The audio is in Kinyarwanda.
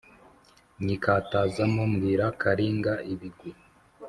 nyikatazamo mbwira Karinga ibigwi.